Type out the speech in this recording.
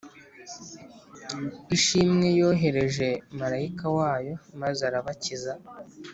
ishimwe Yohereje marayika wayo maze arabakiza